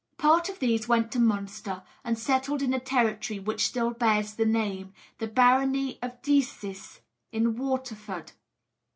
Part of these went to Munster, and settled in a territory which still bears their name, the barony of Decies, in Waterford.